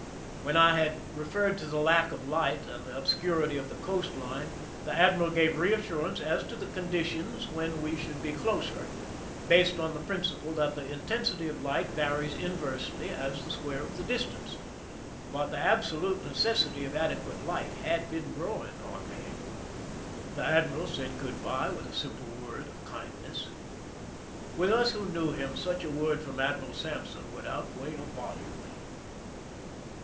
When I had I referred to t;he lack of light and the obscurity of ( the coast line, the admiral gave reassurance as to t the conditions when we should be closer, based / on the principle that the intensity of light varies ,: inversely as the square of the distance. But the I absolute necessity of adequate light had been grow i ing on me. / The admiral said good by with a simple word of kindness. V7ith us who knew him, such a word from Admiral Sampson would outweigh a volume.